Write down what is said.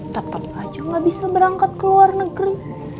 tetep aja ga bisa berangkat ke luar negeri